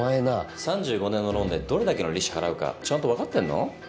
３５年のローンでどれだけの利子払うかちゃんとわかってんの？